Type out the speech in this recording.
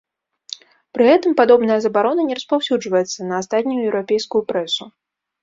Пры гэтым падобная забарона не распаўсюджваецца на астатнюю еўрапейскую прэсу.